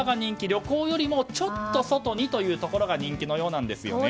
旅行よりもちょっと外にというほうが人気のようなんです。